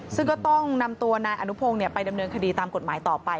ซึ่งก็ต้องนำตัวนายอนุพงศ์ไปดำเนินคดีตามกฎหมายต่อไป